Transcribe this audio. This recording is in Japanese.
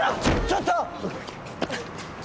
ちょっと！